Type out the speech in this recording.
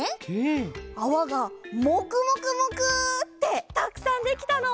あわがもくもくもくってたくさんできたの！